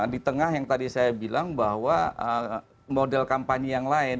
di tengah yang tadi saya bilang bahwa model kampanye yang lain